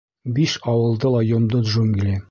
Биш ауылды ла йомдо джунгли.